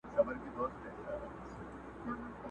له زړې بوډۍ لکړي مي شرمېږم،